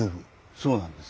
そうなんです。